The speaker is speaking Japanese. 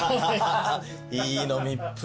いい飲みっぷり。